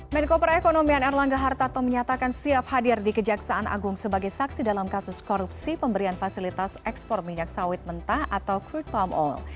menko perekonomian erlangga hartarto menyatakan siap hadir di kejaksaan agung sebagai saksi dalam kasus korupsi pemberian fasilitas ekspor minyak sawit mentah atau crude palm oil